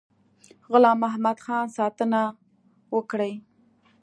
غلام محمدخان ساتنه وکړي.